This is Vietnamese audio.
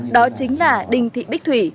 đó chính là đinh thị bích thủy